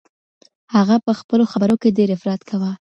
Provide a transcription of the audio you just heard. هغه په خپلو خبرو کي ډیر افراط کاوه.